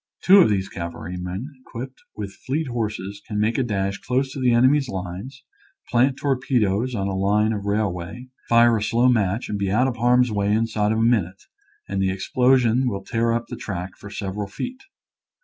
Two of these cavalrymen equipped with fleet horses can make a dash close to the enemy's lines, plant torpedoes on a line of rail way, fire a slow match and be out of harm's way inside of a minute, and the explosion will tear up the track for several feet.